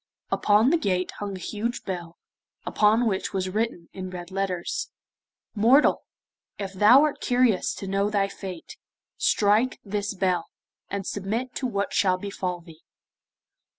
Upon the gate hung a huge bell, upon which was written in red letters: 'Mortal, if thou art curious to know thy fate, strike this bell, and submit to what shall befall thee.